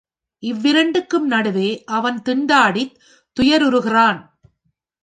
இவ்விரண்டிற்கும் நடுவே அவன் திண்டாடித் துயருறுகிறான்.